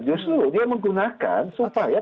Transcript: justru dia menggunakan supaya